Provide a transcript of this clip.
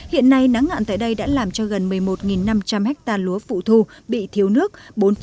hiện nay nắng hạn tại đây đã làm cho gần một mươi một năm trăm linh hectare lúa phụ thu bị thiếu nước